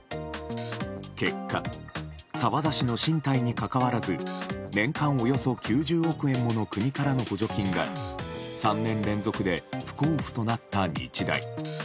結果、澤田氏の進退にかかわらず年間およそ９０億円もの国からの補助金が３年連続で不交付となった日大。